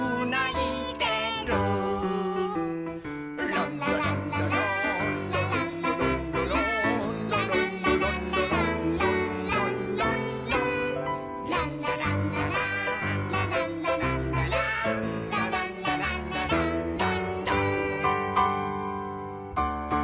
「ランラランラランラランラランラランラ」「ランラランラランランランランラン」「ランラランラランラランラランラランラ」「ランラランラランランラン」